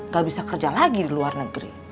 gak bisa kerja lagi di luar negeri